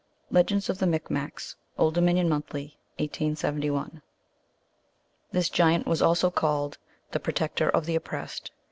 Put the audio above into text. Legends of the Mic Macs, Old Dominion Monthly, 1871. This giant was also called the Protector of the Oppressed.